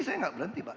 saya gak berhenti pak